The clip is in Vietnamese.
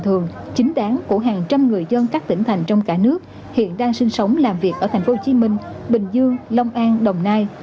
thường chính đáng của hàng trăm người dân các tỉnh thành trong cả nước hiện đang sinh sống làm việc ở tp hcm bình dương long an đồng nai